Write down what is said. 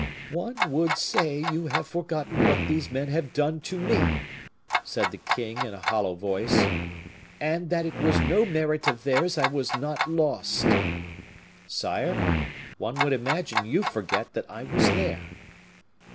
"One would say you have forgotten what these men have done to me!" said the king, in a hollow voice, "and that it was no merit of theirs I was not lost." "Sire, one would imagine you forget that I was there."